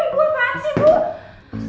ibu apaan sih bu